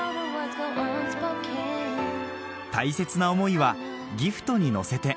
大切な思いはギフト乗せて